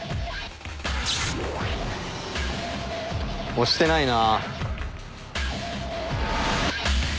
押してないな。